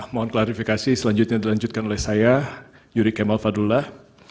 mohon klarifikasi selanjutnya dilanjutkan oleh saya yuri kemal fadullah